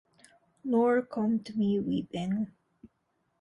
Nor come to me weeping.